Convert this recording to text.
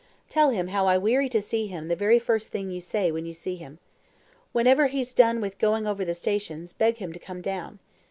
Tell him how I weary to see him the very first thing you say when you see him. Whenever he's done with going over the stations, beg him to come down.